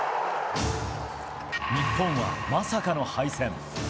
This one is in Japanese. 日本は、まさかの敗戦。